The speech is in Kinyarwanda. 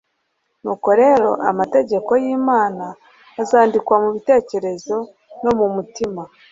Nuko rero amategeko y’Imana azandikwa mu bitekerezo no mu mutima,